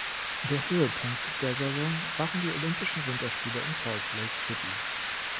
Der Höhepunkt der Saison waren die Olympischen Winterspiele in Salt Lake City.